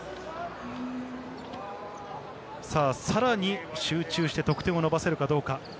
さらに集中して得点を伸ばせるかどうか。